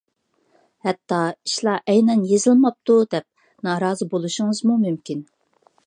ھەتتا ئىشلار ئەينەن يېزىلماپتۇ دەپ نارازى بولۇشىڭىزمۇ مۇمكىن.